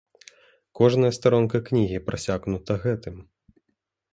Кожная старонка кнігі прасякнута гэтым.